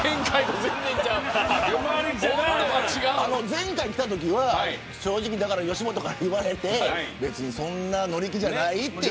前回来たときは正直吉本から言われてそんなに乗り気じゃない。